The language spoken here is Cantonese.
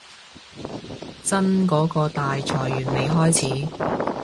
真嗰個大裁員未開始